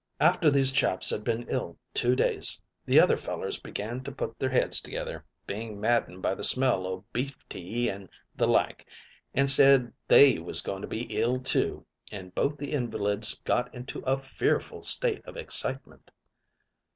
"After these chaps had been ill two days, the other fellers began to put their heads together, being maddened by the smell o' beef tea an' the like, an' said they was going to be ill too, and both the invalids got into a fearful state of excitement.